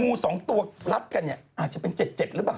งู๒ตัวรัดกันเนี่ยอาจจะเป็น๗๗หรือเปล่า